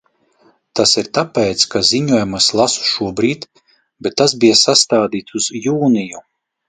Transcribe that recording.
Tas ir tāpēc, ka ziņojumu es lasu šobrīd, bet tas bija sastādīts uz jūniju.